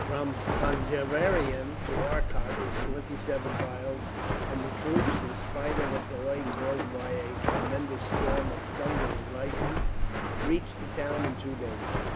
From Conjeveram to Arcot is twenty seven miles, and the troops, in spite of a delay caused by a tremendous storm of thunder and lightning, reached the town in two days.